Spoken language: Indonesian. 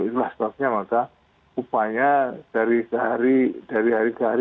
itulah sebabnya maka upaya dari hari ke hari